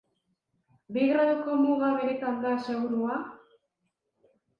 Bi graduko muga benetan da segurua?